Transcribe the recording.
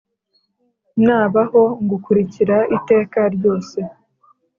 Nabaho ngukurikira iteka ryose